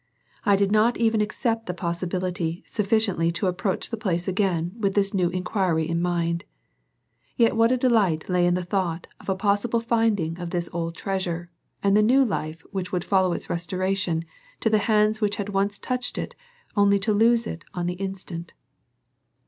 I did not even accept the possibility sufficiently to approach the place again with this new inquiry in mind. Yet what a delight lay in the thought of a possible finding of this old treasure, and the new life which would follow its restoration to the hands which had once touched it only to lose it on the instant.